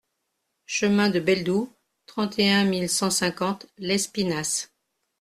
CHEMIN DE BELDOU, trente et un mille cent cinquante Lespinasse